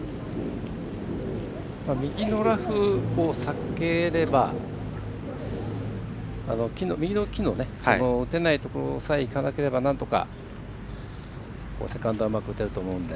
右のラフを避ければ右の木の打てないところさえいかなければなんとかセカンドはうまく打てると思うので。